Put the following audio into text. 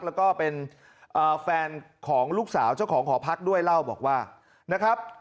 แล้วก็เป็นแฟนของลูกสาวเจ้าของหอพักด้วยเล่าบอกว่านะครับ